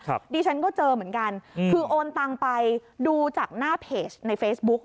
ดิฉันก็เจอเหมือนกันอืมคือโอนตังไปดูจากหน้าเพจในเฟซบุ๊ก